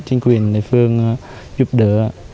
để chính quyền địa phương giúp đỡ